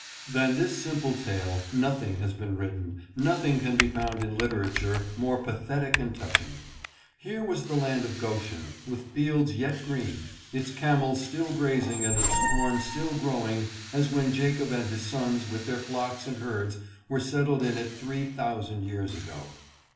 Than this simple tale nothing has been written, nothing can be found in literature, more pathetic and touching. Here was the land of Goshen, with fields yet green, its camels still grazing and its corn still growing as when Jacob and his sons with their flocks and herds were settled in it three thousand years ago.